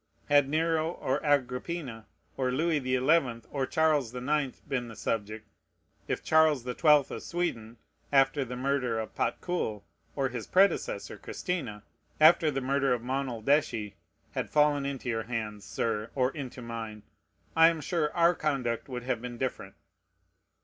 Had Nero, or Agrippina, or Louis the Eleventh, or Charles the Ninth been the subject, if Charles the Twelfth of Sweden, after the murder of Patkul, or his predecessor, Christina, after the murder of Monaldeschi, had fallen into your hands, Sir, or into mine, I am sure our conduct would have been different.